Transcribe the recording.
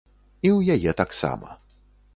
І ў яе таксама.